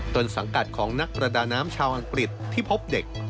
ต้นสังกัดของนักประดาน้ำชาวอังกฤษที่พบเด็ก